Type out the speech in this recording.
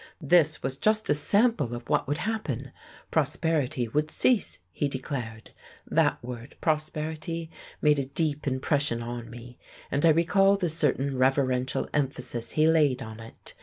This was just a sample of what would happen. Prosperity would cease, he declared. That word, Prosperity, made a deep impression on me, and I recall the certain reverential emphasis he laid on it.